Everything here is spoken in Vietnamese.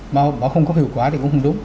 mà không có hiệu quả thì cũng không đúng